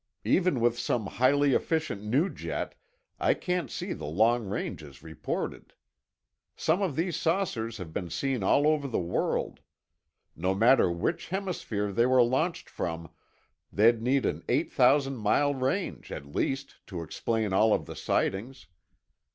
Even with some highly efficient new jet, I can't see the long ranges reported. Some of these saucers have been seen all over the world. No matter which hemisphere they were launched from, they'd need an eight thousand mile range, at least, to explain all of the sightings.